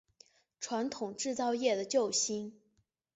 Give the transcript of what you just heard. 传统制造业的救星